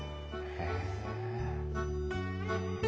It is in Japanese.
へえ。